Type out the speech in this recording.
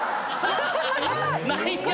何や？